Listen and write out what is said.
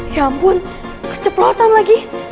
ya ampun keceplosan lagi